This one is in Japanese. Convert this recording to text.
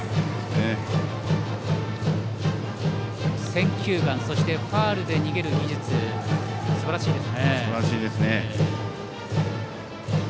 選球眼、ファウルで逃げる技術すばらしいですね。